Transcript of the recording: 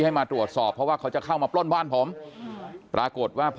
ให้มาตรวจสอบเพราะว่าเขาจะเข้ามาปล้นบ้านผมปรากฏว่าพอ